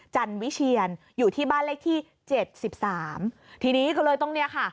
จันวิเชียนอยู่ที่บ้านเลขที่เจ็ดสิบสามทีนี้ก็เลยต้องเนี่ยค่ะ